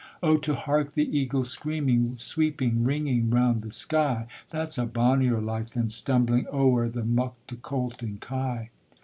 Oh, to hark the eagle screaming, sweeping, ringing round the sky That's a bonnier life than stumbling ower the muck to colt and kye.